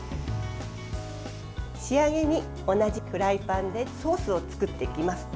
仕上げに同じフライパンでソースを作っていきます。